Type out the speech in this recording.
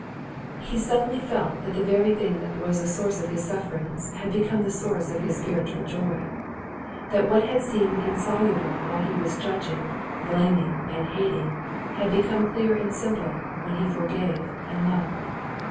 He suddenly felt that the very thing that was the source of his sufferings had become the source of his spiritual joy; that what had seemed insoluble while he was judging, blaming, and hating, had become clear and simple when he forgave and loved.